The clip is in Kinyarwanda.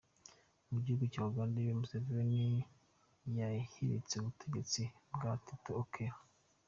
Mu gihugu cya Uganda, Yoweri Museveni yahiritse ubutegetsi bwa Tito Okello.